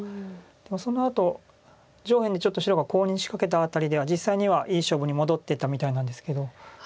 そのあと上辺でちょっと白がコウに仕掛けたあたりでは実際にはいい勝負に戻ってたみたいなんですけど。